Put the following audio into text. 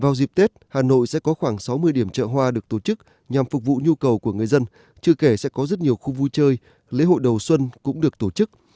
vào dịp tết hà nội sẽ có khoảng sáu mươi điểm chợ hoa được tổ chức nhằm phục vụ nhu cầu của người dân chưa kể sẽ có rất nhiều khu vui chơi lễ hội đầu xuân cũng được tổ chức